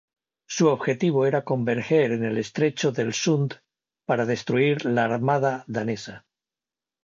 Su objetivo era converger en el estrecho del Sund para destruir la armada danesa.